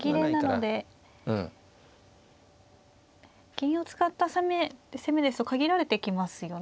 金を使った攻め攻めですと限られてきますよね。